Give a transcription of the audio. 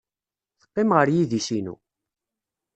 Teqqim ɣer yidis-inu.